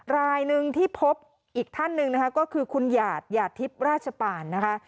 รายหนึ่งที่พบอีกท่านหนึ่งนะคะก็คือคุณหยาดหยาดทิพย์ราชปานนะคะ